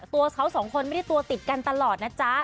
ตัวเขาสองคนไม่ได้ตัวติดกันตลอดนะจ๊ะ